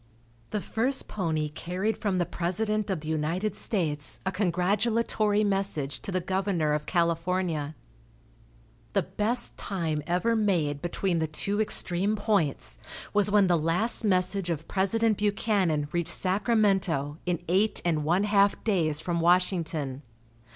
The first pony carried from the president of the United States a congratulatory message to the governor of California. The best time ever made between the two extreme points was when the last message of President Buchanan reached Sacramento in eight and one half days from Washington.